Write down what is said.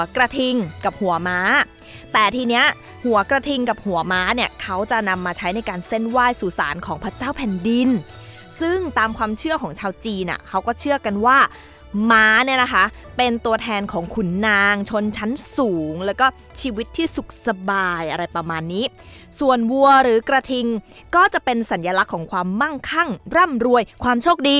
กระทิงกับหัวม้าแต่ทีเนี้ยหัวกระทิงกับหัวม้าเนี่ยเขาจะนำมาใช้ในการเส้นไหว้สู่สารของพระเจ้าแผ่นดินซึ่งตามความเชื่อของชาวจีนอ่ะเขาก็เชื่อกันว่าม้าเนี่ยนะคะเป็นตัวแทนของขุนนางชนชั้นสูงแล้วก็ชีวิตที่สุขสบายอะไรประมาณนี้ส่วนวัวหรือกระทิงก็จะเป็นสัญลักษณ์ของความมั่งคั่งร่ำรวยความโชคดี